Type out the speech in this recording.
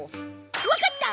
わかった！